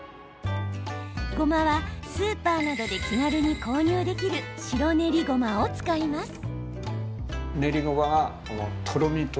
ごまは、スーパーなどで気軽に購入できる白練りごまを使います。